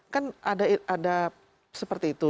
kan ada seperti itu